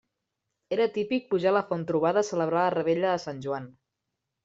Era típic pujar a la Font Trobada a celebrar la revetlla de Sant Joan.